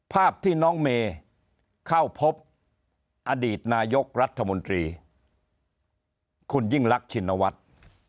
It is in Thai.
ภาพที่น้องเมย์เข้าพบอดีตนายกรัฐมนตรีคุณยิ่งรักชินวัฒน์